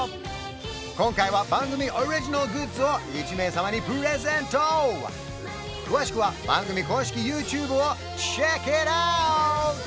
今回は番組オリジナルグッズを１名様にプレゼント詳しくは番組公式ＹｏｕＴｕｂｅをｃｈｅｃｋｉｔｏｕｔ！